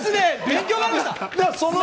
勉強になりました。